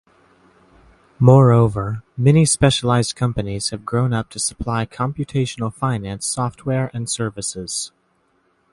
Moreover, many specialized companies have grown up to supply computational finance software and services.